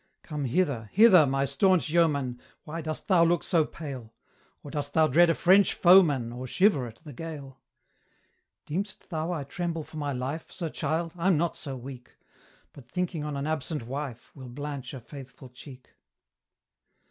'Come hither, hither, my staunch yeoman, Why dost thou look so pale? Or dost thou dread a French foeman, Or shiver at the gale?' 'Deem'st thou I tremble for my life? Sir Childe, I'm not so weak; But thinking on an absent wife Will blanch a faithful cheek.